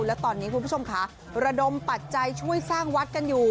และตอนนี้คุณผู้ชมค่ะระดมปัจจัยช่วยสร้างวัดกันอยู่